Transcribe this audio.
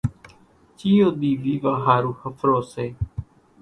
ڄيئو ۮِي ويوا ۿارُو ۿڦرو سي۔